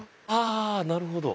あなるほど。